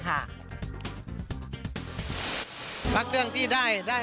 การแสดงครั้งนี้เป็นไปด้วยดี